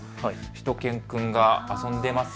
しゅと犬くんが遊んでいます。